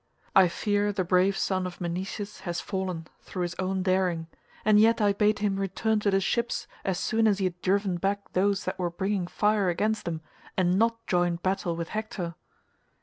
I fear the brave son of Menoetius has fallen through his own daring and yet I bade him return to the ships as soon as he had driven back those that were bringing fire against them, and not join battle with Hector."